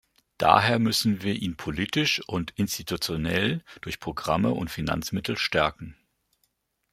Daher müssen wir ihn politisch und institutionell, durch Programme und Finanzmittel stärken.